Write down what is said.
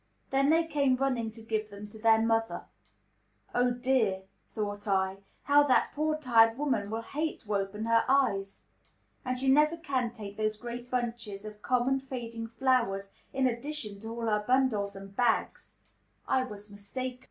Then they came running to give them to their mother. "Oh dear," thought I, "how that poor, tired woman will hate to open her eyes! and she never can take those great bunches of common, fading flowers, in addition to all her bundles and bags." I was mistaken.